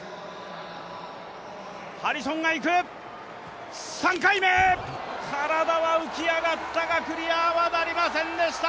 ハリソンがいく、３回目体は浮き上がったがクリアはなりませんでした。